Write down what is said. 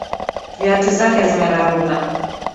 Viatu zake zimeraruka.